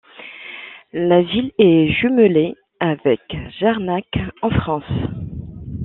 La ville est jumelée avec Jarnac en France.